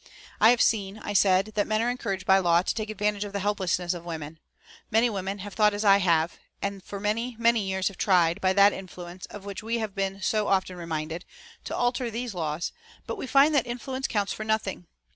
"I have seen," I said, "that men are encouraged by law to take advantage of the helplessness of women. Many women have thought as I have, and for many, many years have tried, by that influence of which we have been so often reminded, to alter these laws, but we find that influence counts for nothing.